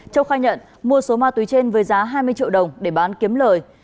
châu khai nhận mua số ma túy trên với giá hai mươi triệu đồng để bán kiếm lời